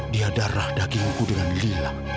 dia darah dagingku dengan lila